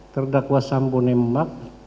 terdakwa sambu nembak